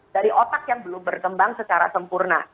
dari otak yang belum berkembang secara sempurna